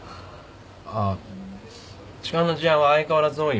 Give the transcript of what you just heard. ああ痴漢の事案は相変わらず多いよ。